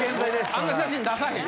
あんな写真出さへん。